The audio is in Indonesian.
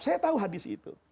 saya tahu hadis itu